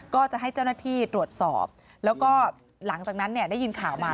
ก็จะให้เจ้าหน้าที่ตรวจสอบแล้วก็หลังจากนั้นเนี่ยได้ยินข่าวมา